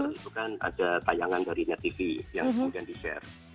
itu kan ada tayangan dari net tv yang kemudian di share